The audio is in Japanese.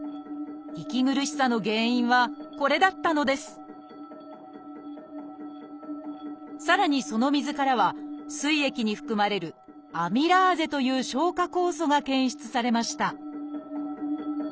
息苦しさの原因はこれだったのですさらにその水からはすい液に含まれる「アミラーゼ」という消化酵素が検出されました